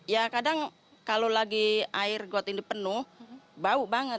ya kadang kalau lagi air got ini penuh bau banget